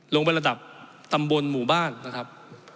ระดับตำบลหมู่บ้านนะครับ